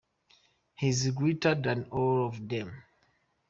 He's greater than all of them.